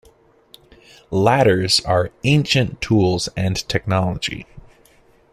Ladders are ancient tools and technology.